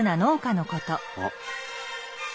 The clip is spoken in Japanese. あっ。